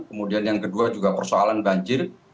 kemudian yang kedua juga persoalan banjir